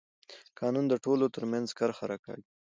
قانون د ټولو ترمنځ کرښه راکاږي